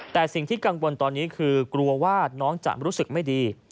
แต่สิ่งที่กังวลตอนนี้คือกลัวว่าน้องจะรู้สึกไม่ดี